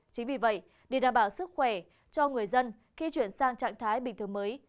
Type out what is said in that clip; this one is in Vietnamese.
chính vì vậy để đảm bảo sức khỏe cho người dân khi chuyển sang trạng thái bình thường mới